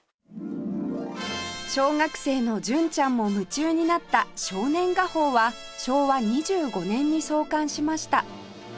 小学生の純ちゃんも夢中になった『少年画報』は昭和２５年に創刊しました